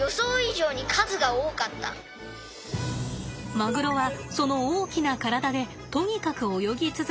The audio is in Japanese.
マグロはその大きな体でとにかく泳ぎ続けます。